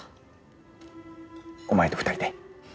お前と２人で。